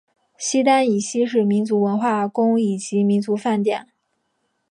西单以西是民族文化宫以及民族饭店。